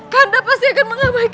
kanda pasti akan mengabaikanku